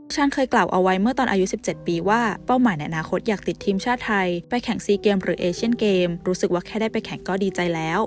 เคยกล่าวเอาไว้เมื่อตอนอายุ๑๗ปีว่าเป้าหมายในอนาคตอยากติดทีมชาติไทยไปแข่งซีเกมหรือเอเชียนเกมรู้สึกว่าแค่ได้ไปแข่งก็ดีใจแล้ว